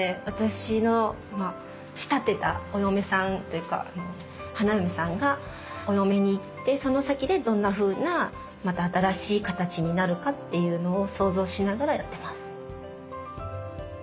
私の仕立てたお嫁さんというか花嫁さんがお嫁に行ってその先でどんなふうなまた新しい形になるかというのを想像しながらやってます。